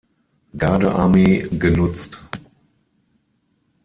Gardearmee genutzt.